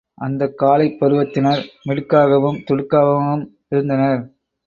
அந்தக் காளைப் பருவத்தினர் மிடுக்காகவும் துடுக்காகவும் இருந்தனர்.